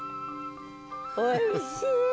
おいしい！